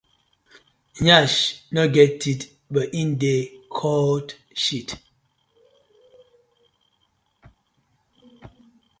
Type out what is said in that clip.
Yansh no get teeth but e dey cut shit: